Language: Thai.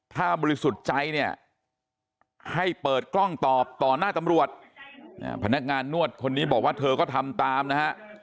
ถ้าบริสุทธิ์ใจเนี่ยให้เปิดกล้องตอบต่อหน้าตำรวจพนักงานนวดคนนี้บอกว่าเธอก็ทำตามนะฮะ